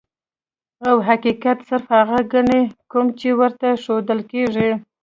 او حقيقت صرف هغه ګڼي کوم چې ورته ښودلے کيږي -